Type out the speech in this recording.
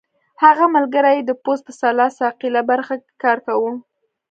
هغه ملګری یې د پوځ په سلاح ساقېله برخه کې کار کاوه.